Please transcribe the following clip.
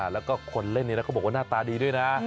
แล้วก็คนเล่นนี้นะเขาบอกว่าหน้าตาดีด้วยนะ